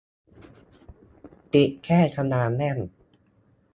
ติดแค่ตารางแน่น